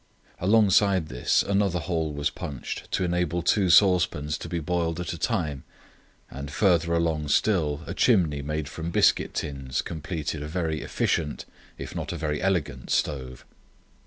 Alongside this another hole was punched to enable two saucepans to be boiled at a time; and farther along still a chimney made from biscuit tins completed a very efficient, if not a very elegant, stove.